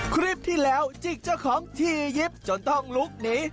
คลิปที่แล้วจิกเจ้าของที่ยิบจนต้องลุกหนี